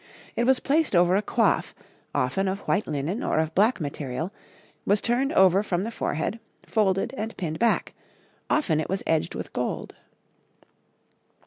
It was placed over a coif, often of white linen or of black material, was turned over from the forehead, folded, and pinned back; often it was edged with gold.